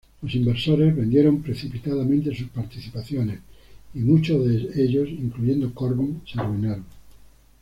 Los inversores vendieron precipitadamente sus participaciones, y muchos de ellos, incluyendo Corbin, se arruinaron.